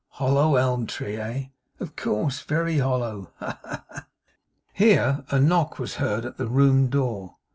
Hollow ELM tree, eh? of course. Very hollow. Ha, ha, ha!' Here a knock was heard at the room door.